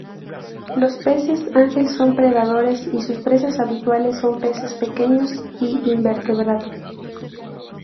Los peces ángel son predadores, y sus presas habituales son peces pequeños y invertebrados.